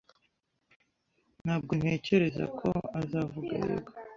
Ntabwo ntekereza ko azavuga yego.